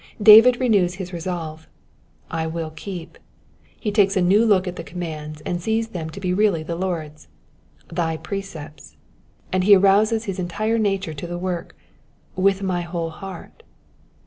David renews his resolve —"/ will keep^\' he takes a new look at the commands, and sees them to be really the Lord's —thy precepts^''; and he arouses his entire nature to the work —^^ with my whole heart.'